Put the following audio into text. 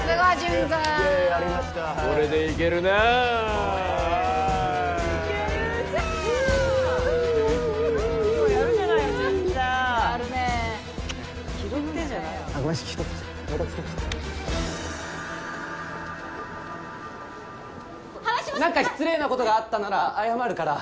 現在何か失礼なことがあったなら謝るから。